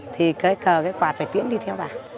thì cái cờ cái quạt phải tiễn đi theo bảng